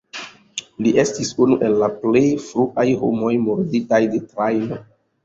Li estis unu el la plej fruaj homoj murditaj de trajno.